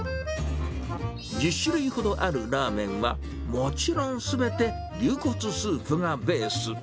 １０種類ほどあるラーメンは、もちろんすべて牛骨スープがベース。